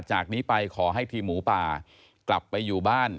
จากนี้ไปขอให้ทีมหมูป่ากลับไปอยู่บ้าน